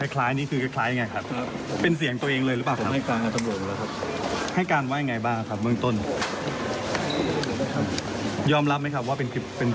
คุยเล่นครับคุยเล่น